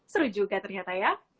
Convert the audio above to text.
seru juga ternyata ya